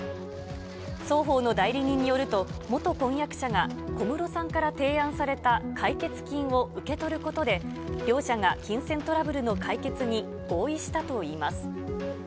双方の代理人によると、元婚約者が小室さんから提案された解決金を受け取ることで、両者が金銭トラブルの解決に合意したといいます。